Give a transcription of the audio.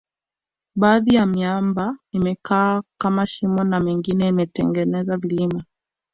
baadhi ya miamba imekaa kama shimo na mingine ikitengeneza vilima